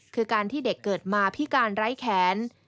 คือการที่เด็กเกิดมาพิการไร้แขน